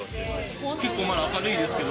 結構まだ明るいですけど。